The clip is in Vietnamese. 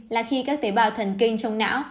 là khi các tế bào thần kinh trong não